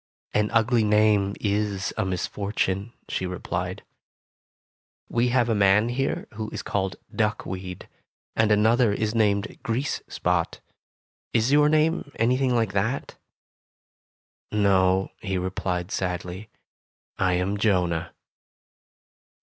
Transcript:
"An ugly name is a misfortune," she replied. "We have a man here who is called Duckweed, and another is named Tales of Modern Germany 59 Grease Spot. Is your name anything like that?'' "No," he replied sadly. am Jonah."